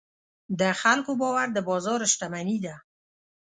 د خلکو باور د بازار شتمني ده.